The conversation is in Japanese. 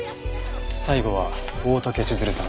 最後は大竹千鶴さん。